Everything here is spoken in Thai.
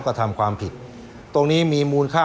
ก็ต้องชมเชยเขาล่ะครับเดี๋ยวลองไปดูห้องอื่นต่อนะครับ